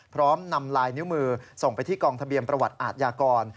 พร้อมนำลายนิ้วมือส่งไปที่กองทะเบียนประวัติอาทยากร